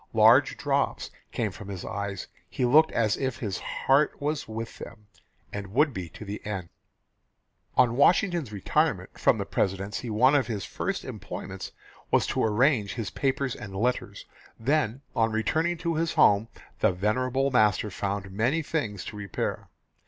Large drops came from his eyes. He looked as if his heart was with them, and would be to the end." On Washington's retirement from the Presidency one of his first employments was to arrange his papers and letters. Then on returning to his home the venerable master found many things to repair.